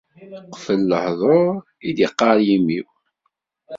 Qbel lehdur i d-iqqar yimi-w.